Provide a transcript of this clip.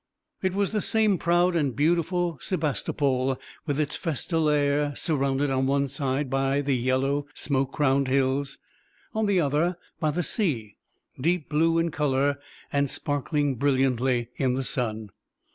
It was the same proud and beautiful Sebastopol, with its festal air, surrounded on one side by the yellow smoke crowned hills, on the other by the sea, deep blue in color and sparkling brilliantly in the sun.